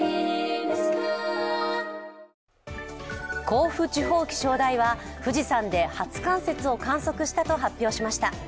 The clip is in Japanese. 甲府地方気象台は富士山で初冠雪を観測したと発表しました。